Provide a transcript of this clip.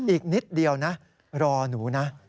อีกนิดเดียวนะรอหนูนะ